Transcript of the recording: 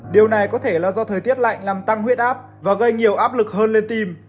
điều này có thể là do thời tiết lạnh làm tăng huyết áp và gây nhiều áp lực hơn lên tim